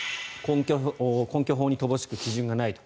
根拠法に乏しく基準がないと。